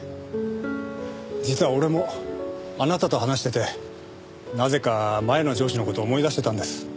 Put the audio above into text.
実は俺もあなたと話しててなぜか前の上司の事を思い出してたんです。